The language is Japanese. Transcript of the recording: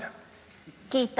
聞いた？